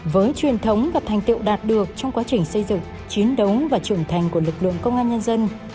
với truyền thống và thành tựu đạt được trong quá trình xây dựng chiến đấu và trưởng thành của lực lượng công an nhân dân